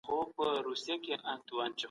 ايا امنيتي ځواکونه د سياست وسيله نه دي؟